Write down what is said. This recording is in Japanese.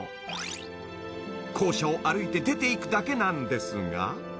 ［校舎を歩いて出ていくだけなんですが］